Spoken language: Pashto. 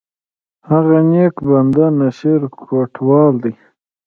هغه نیک بنده، نصیر کوټوال دی!